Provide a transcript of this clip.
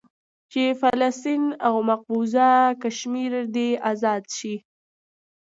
چې فلسطين او مقبوضه کشمير دې ازاد سي.